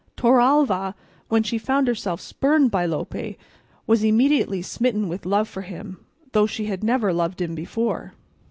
Torralva, when she found herself spurned by Lope, was immediately smitten with love for him, though she had never loved him before."